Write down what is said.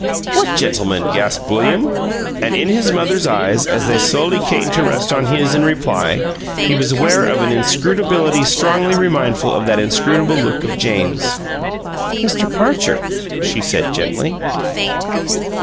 "What gentleman?" gasped William. And in his mother's eyes, as they slowly came to rest on his in reply, he was aware of an inscrutability strongly remindful of that inscrutable look of Jane's. "Mr. Parcher," she said, gently.